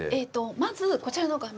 まずこちらの画面を。